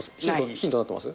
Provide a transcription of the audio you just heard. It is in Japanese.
ヒントになってます？